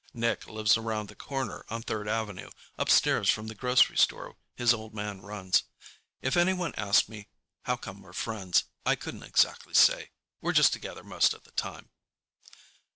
Nick lives around the corner on Third Avenue, upstairs over the grocery store his old man runs. If anyone asked me how come we're friends, I couldn't exactly say. We're just together most of the time.